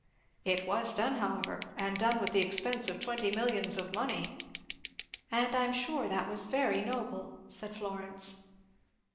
"It was done, however, and done at the expense of twenty millions of money." "And I am sure that was very noble," said Florence.